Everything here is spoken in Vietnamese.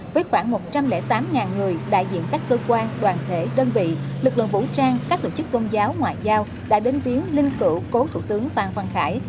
với khoảng một trăm linh tám người đại diện các cơ quan đoàn thể đơn vị lực lượng vũ trang các tổ chức tôn giáo ngoại giao đã đến viếng linh cữu cố thủ tướng phan văn khải